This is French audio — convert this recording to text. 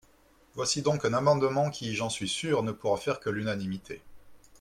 Voici donc un amendement qui, j’en suis sûr, ne pourra faire que l’unanimité.